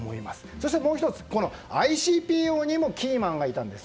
そしてもう１つ、ＩＣＰＯにもキーマンがいたんです。